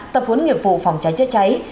tập huấn nghiệp vụ phòng cháy chữa cháy